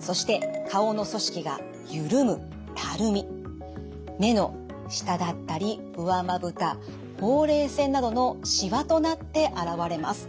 そして顔の組織が緩む目の下だったり上まぶたほうれい線などのしわとなって現れます。